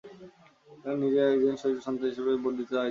আমি নিজেও একজন শহীদের সন্তান হিসেবে তাঁর জন্য ভোট চাইতে এসেছি।